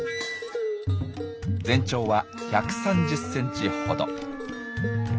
全長は１３０ｃｍほど。